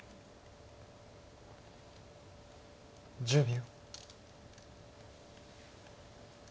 １０秒。